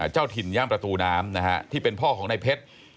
เจ้าถิ่นย่ามประตูน้ำนะฮะที่เป็นพ่อของนายเพชร